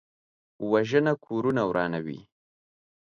وژنه کورونه ورانوي